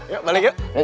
yuk balik yuk